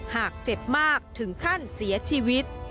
หากเจ็บมากถึงขั้นเสียชีวิต